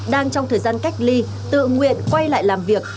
đang trong thời gian cách ly tự nguyện quay lại làm việc